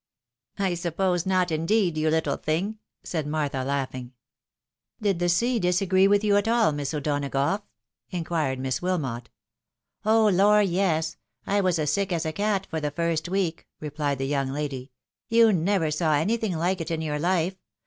"I suppose not, indeed, you Uttle thing!" said Martha, laughing. " Did the sea disagree with you at all, Miss O'Donagough ?" inquired Miss Wilmot. MISS maetha's rational conversation. 117 " Oh, lor, yes ; I was as sick as a cat for the first week !" replied the young lady. " You never saw anything like it in your life.